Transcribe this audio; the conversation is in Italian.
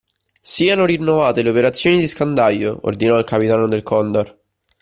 Sieno rinnovate le operazioni di scandaglio ordinò il capitano del Condor.